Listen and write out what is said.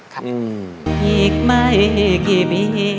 ครับอืม